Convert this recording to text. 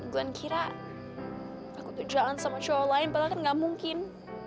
gan kira aku tuh jalan sama show lain padahal kan gak mungkin